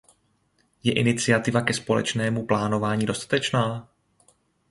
Je iniciativa ke společnému plánování dostatečná?